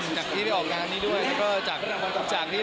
เต้นดีขึ้นร้องดีขึ้นแล้วอย่างนี้